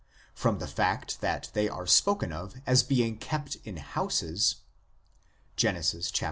From the fact that they are spoken of as being kept in houses (Gen. xxxi.